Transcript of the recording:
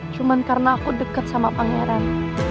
cuman karena aku deket sama pangeran